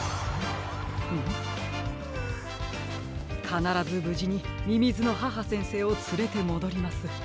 かならずぶじにみみずの母先生をつれてもどります。